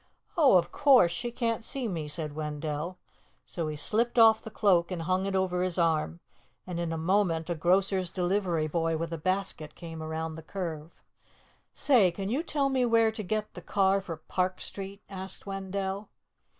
"Oh, of course. She can't see me," said Wendell. So he slipped off the cloak and hung it over his arm, and in a moment a grocer's delivery boy with a basket came around the curve. "Say, can you tell me where to get the car for Park Street?" asked Wendell.